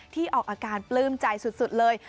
ออกอาการปลื้มใจสุดเลย